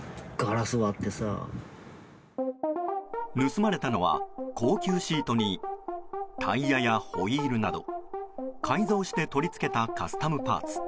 盗まれたのは高級シートにタイヤやホイールなど改造して取り付けたカスタムパーツ